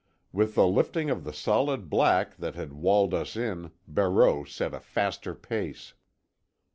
With the lifting of the solid black that had walled us in Barreau set a faster pace.